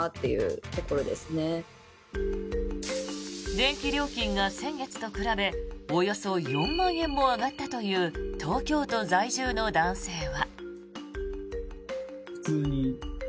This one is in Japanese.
電気料金が、先月と比べおよそ４万円も上がったという東京都在住の男性は。